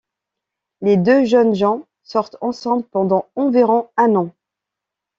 Les deux jeunes gens sortent ensemble pendant environ un an.